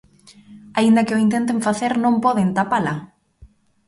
Aínda que o intenten facer, non poden tapala.